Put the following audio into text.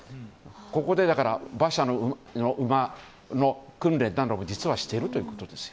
ここで馬車の馬の訓練なども実はしているということです。